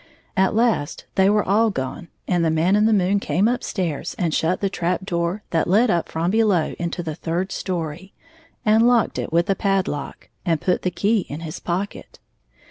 At last they were all gone, and the Man in the moon came up stairs and shut the trap door that led up from below into the third story, and locked it with a padlock, and put the key in his pocket.